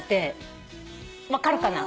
分かるかな？